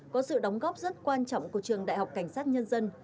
có sự đóng góp rất quan trọng của trường đại học cảnh sát nhân dân